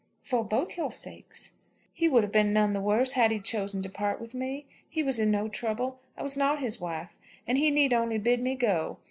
"For both your sakes." "He would have been none the worse had he chosen to part with me. He was in no trouble. I was not his wife; and he need only bid me go.